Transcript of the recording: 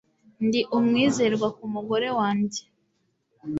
ndi umwizerwa ku mugore wanjye